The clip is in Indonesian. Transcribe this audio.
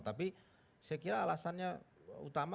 tapi saya kira alasannya utama